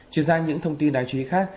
chuyển sang những thông tin đáng chú ý khác